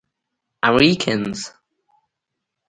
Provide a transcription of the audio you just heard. امريکنز.